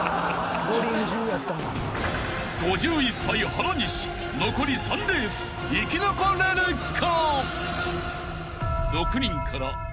［５１歳原西残り３レース生き残れるか？］